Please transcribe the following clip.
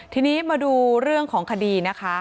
ทีนี้มาดูเรื่องของคดีนะคะ